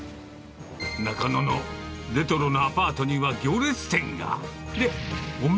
中野のレトロなアパートには行列店が。